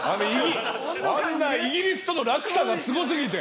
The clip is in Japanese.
イギリスとの落差がすごすぎて。